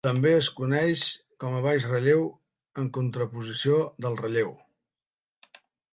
També es coneix com a baix relleu, en contraposició del relleu.